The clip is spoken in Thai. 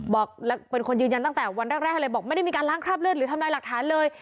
เป็นคนยืนยันตั้งแต่วันแรกให้เลยบอกไม่ได้มีการล้างคราบเลือดหรือทำลายหลักฐานเลย